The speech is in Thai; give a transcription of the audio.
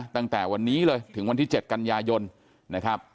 ตั้งแต่วันนี้เลยถึงวันที่๗กันยายนนะครับ